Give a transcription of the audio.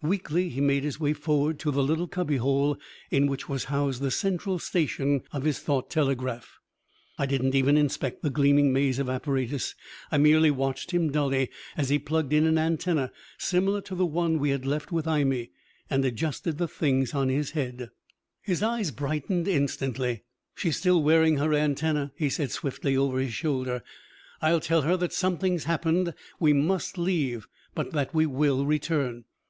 Weakly he made his way forward to the little cubbyhole in which was housed the central station of his thought telegraph. I didn't even inspect the gleaming maze of apparatus. I merely watched him dully as he plugged in an antenna similar to the one we had left with Imee, and adjusted the things on his head. His eyes brightened instantly. "She's still wearing her antenna," he said swiftly over his shoulder. "I'll tell her that something's happened; we must leave, but that we will return."